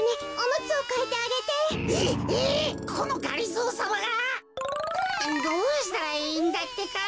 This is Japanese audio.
このがりぞーさまが！？どうしたらいいんだってか。